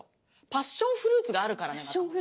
パッションフルーツがあるからなんだと思う。